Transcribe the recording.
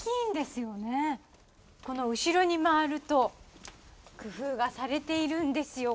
この後ろに回ると工夫がされているんですよ。